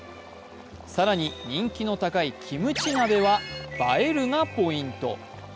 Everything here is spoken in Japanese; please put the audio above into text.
更に、人気の高いキムチ鍋は映えるがポイント。